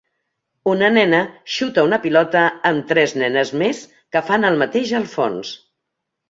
Una nena xuta una pilota amb tres nenes més que fan el mateix al fons.